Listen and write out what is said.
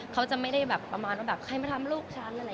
เขาจะไม่ได้ประมาณว่าใครมาทำลูกฉัน